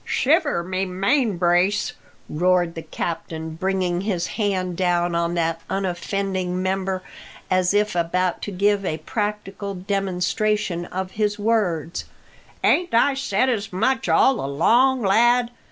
"Shiver my main brace!" roared the captain, bringing his hand down on that unoffending member as if about to give a practical demonstration of his words, "ain't I said as much all along, lad?